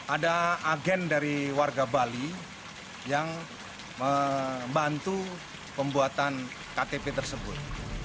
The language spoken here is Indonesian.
ada agen dari warga bali yang membantu pembuatan ktp tersebut